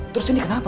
terus ini kenapa